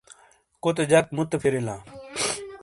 کوتے جک موتے پھری لا۔